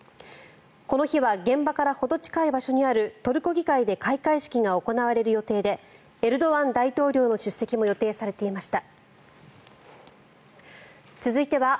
この日は、現場からほど近い場所にあるトルコ議会で開会式が行われる予定でエルドアン大統領の出席も予定されていました。